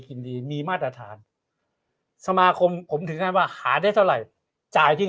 ยินดีมีมาตรฐานสมาคมผมถึงขั้นว่าหาได้เท่าไหร่จ่ายที่